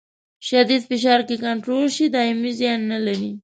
شدید فشار که کنټرول شي دایمي زیان نه لري.